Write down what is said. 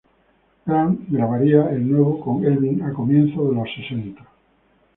Grant grabaría de nuevo con Elvin a comienzos de los sesenta.